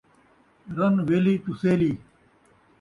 رن ویلھی ، چوسیلی